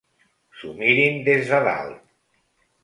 S'ho mirin des de dalt.